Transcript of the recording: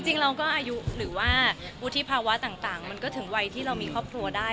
จริงเราก็อายุหรือว่าวุฒิภาวะต่างมันก็ถึงวัยที่เรามีครอบครัวได้